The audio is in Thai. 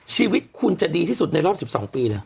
ชีวิตคุณจะดีที่สุดในรอบ๑๒ปีเลย